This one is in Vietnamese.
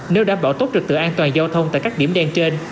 nếu đảm bảo tốt trực tự an toàn giao thông tại các điểm đen trên